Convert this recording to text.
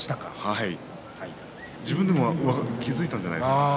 自分でも気が付いたんじゃないですか。